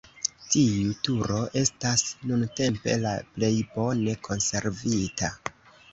Tiu turo estas nuntempe la plej bone konservita.